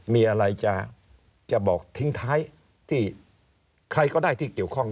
มีอะไรจะบอกทิ้งท้ายที่ใครก็ได้ที่เกี่ยวข้อง